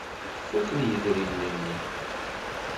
Fuken yidrimen-nni.